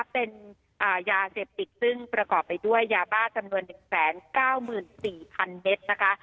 เป็นอ่ายาเสพติกซึ่งประกอบไปด้วยยาบ้าจำนวนหนึ่งแสนเก้ามือนสี่พันเมตรนะคะ